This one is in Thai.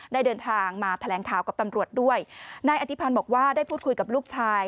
เดินทางมาแถลงข่าวกับตำรวจด้วยนายอธิพันธ์บอกว่าได้พูดคุยกับลูกชาย